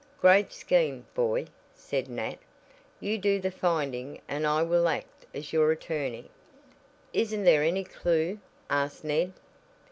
"Great scheme, boy," said Nat, "you do the finding and I will act as your attorney." "Isn't there any clue?" asked Ned.